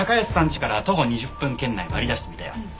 ちから徒歩２０分圏内割り出してみたよ。